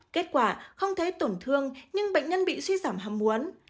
kết quả không thấy tổn thương nhưng bệnh nhân bị suy giảm ham muốn